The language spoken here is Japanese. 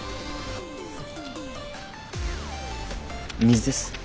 水です。